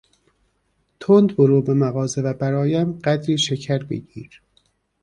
تند برو به مغازه و برایم قدری شکر بگیر.